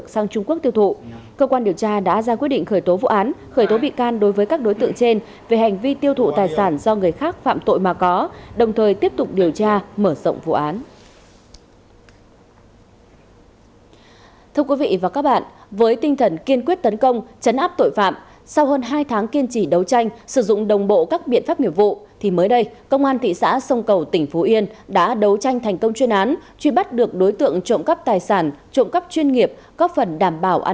sau hơn hai tháng điều tra truy xét thu thập tài liệu chứng cứ công an thị xã sông cầu đã truy bắt được đối tượng nguyễn vân đỏ